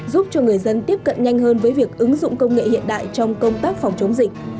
giúp cho người dân tiếp cận nhanh hơn với việc ứng dụng công nghệ hiện đại trong công tác phòng chống dịch